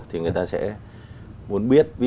thì người ta sẽ muốn biết